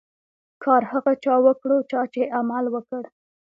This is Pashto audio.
کار هغه چا وکړو، چا چي عمل وکړ.